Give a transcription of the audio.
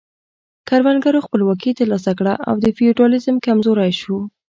کروندګرو خپلواکي ترلاسه کړه او فیوډالیزم کمزوری شو.